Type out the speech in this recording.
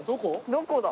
どこだ？